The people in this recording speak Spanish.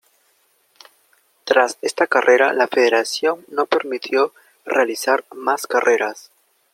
Tras esta carrera la Federación no permitió realizar más carreras.